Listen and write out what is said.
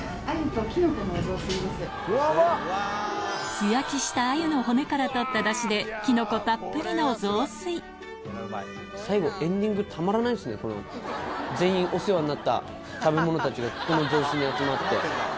素焼きした鮎の骨からとっただしできのこたっぷりの雑炊全員お世話になった食べ物たちがここの雑炊に集まって。